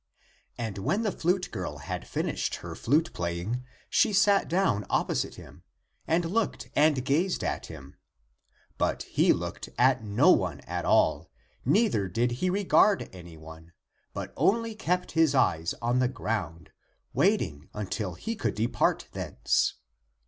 And when the flute girl had finished her flute playing, she sat down opposite him, and looked and gazed at him. But he looked at no one at all, neither did he regard any one, but only kept his eyes on the ground, waiting until he could depart thence.